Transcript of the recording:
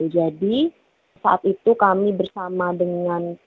jadi saat itu kami bersama dengan